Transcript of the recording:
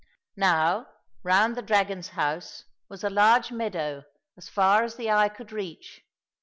Now, round the dragon's house was a large 44 THE MAGIC EGG meadow as far as the eye could reach.